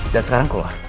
dan sekarang keluar